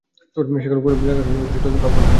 সেগুলো দেখাশোনার জন্য অবশ্যই তোর কাউকে লাগবে!